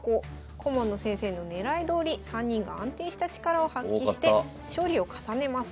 顧問の先生のねらいどおり３人が安定した力を発揮して勝利を重ねます。